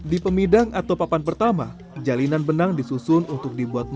di pemidang atau papan pertama jalinan benang disusun untuk dibuat